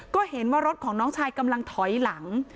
ก็เห็นว่ารถของน้องชายกำลังถอยหลัง